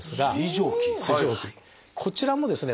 こちらもですね